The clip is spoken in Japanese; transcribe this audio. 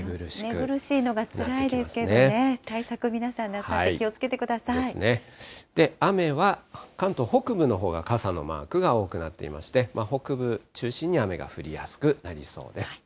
寝苦しいのがつらいですけどね、対策皆さんなさって気をつけ雨は関東北部のほうが傘のマークが多くなっていまして、北部中心に雨が降りやすくなりそうです。